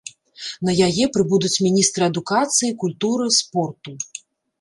На яе прыбудуць міністры адукацыі, культуры, спорту.